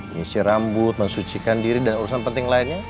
mencuci rambut mencucikan diri dan urusan penting lainnya